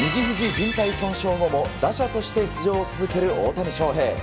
じん帯損傷後も打者として出場を続ける大谷翔平。